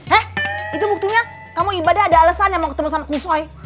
hah itu buktinya kamu ibadah ada alesan yang mau ketemu sama kusoy